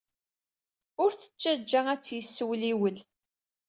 Ur t-ttajja ad t-yessewliwel.